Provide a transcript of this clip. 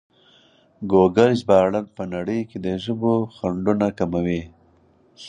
ګوګل ژباړن په نړۍ کې د ژبو خنډونه کموي.